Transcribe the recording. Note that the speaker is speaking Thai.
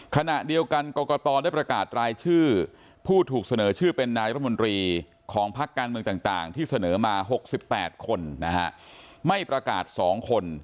ขณะเดียวกันกรกตได้ประกาศรายชื่อผู้ถูกเสนอชื่อเป็นนายรัฐมนตรีของพักการเมืองต่างที่เสนอมา๖๘คนนะฮะไม่ประกาศ๒คน